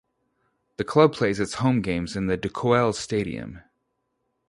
The club plays its home games in the De Koel stadium.